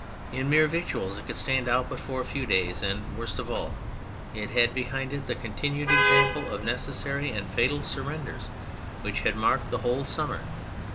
In mere victuals it could stand out for but a few days, and, worst of all, it had behind it the continued example of necessary and fatal surrenders which had marked the whole summer.